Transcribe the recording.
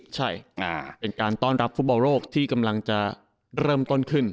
ใช่เป็นการต้อนรับฟุตบอลโลกที่กำลังจะเริ่มต้นขึ้น